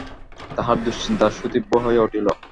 তাহার দুশ্চিন্তা সুতীব্র হইয়া উঠিল।